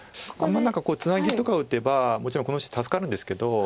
何かツナギとか打てばもちろんこの石助かるんですけど。